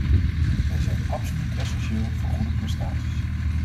Zij zijn absoluut essentieel voor goede prestaties.